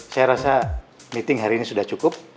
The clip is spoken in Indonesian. saya rasa meeting hari ini sudah cukup